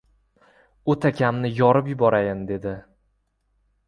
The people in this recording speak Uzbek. O‘takamni yorib yuborayin, dedi!